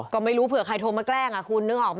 ก็ไม่รู้เผื่อใครโทรมาแกล้งคุณนึกออกไหม